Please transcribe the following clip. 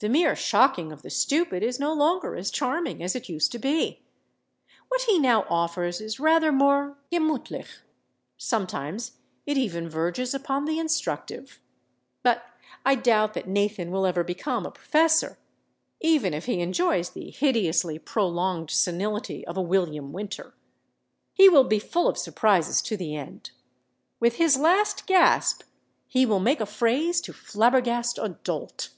The mere shocking of the stupid is no longer as charming as it used to be. What he now offers is rather more gemütlich; sometimes it even verges upon the instructive.... But I doubt that Nathan will ever become a professor, even if he enjoys the hideously prolonged senility of a William Winter. He will be full of surprises to the end. With his last gasp he will make a phrase to flabbergast a dolt.